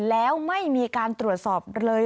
แล้วไม่มีการตรวจสอบเลย